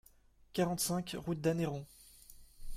quarante-cinq route d'Anneyron